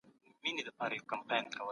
دولت د تخنیکي نوښتونو ملاتړ زیاتوي.